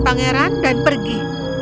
pangeran dan pergi